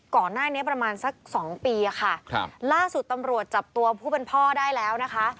ก่อนหน้านี้ประมาณสักสองปีอะค่ะครับล่าสุดตำรวจจับตัวผู้เป็นพ่อได้แล้วนะคะ